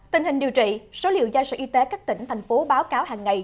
tình hình điều trị số liệu do sở y tế các tỉnh thành phố báo cáo hàng ngày